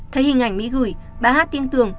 thấy hình ảnh mỹ gửi bà hát tin tưởng